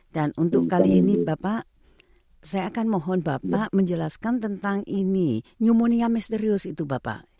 dan untuk kali ini bapak saya akan mohon bapak menjelaskan tentang ini pneumonia misterius itu bapak